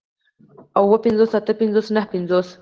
اووه پنځوس اتۀ پنځوس نهه پنځوس